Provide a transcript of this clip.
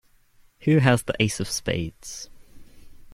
Who has the ace of spades?